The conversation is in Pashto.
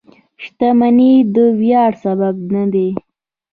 • شتمني د ویاړ سبب نه ده.